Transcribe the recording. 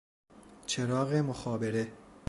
چراغ مخابره